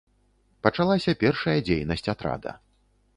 Пачалася першая дзейнасць атрада.